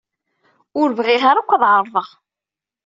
Ur bɣiɣ ara yakk ad ɛerḍeɣ.